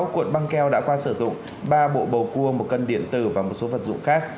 sáu cuộn băng keo đã qua sử dụng ba bộ bầu cua một cân điện tử và một số vật dụng khác